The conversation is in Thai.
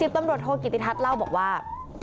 ตำรวจโทกิติทัศน์เล่าบอกว่า